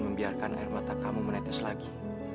membiarkan air mata kamu menetes lagi